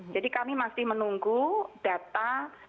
jadi kami masih menunggu data